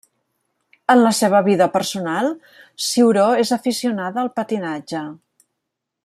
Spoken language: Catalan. En la seva vida personal, Ciuró és aficionada al patinatge.